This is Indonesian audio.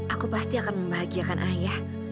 aku pasti akan membahagiakan ayah